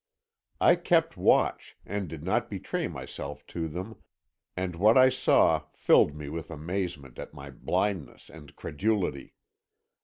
"I kept watch, and did not betray myself to them, and what I saw filled me with amazement at my blindness and credulity.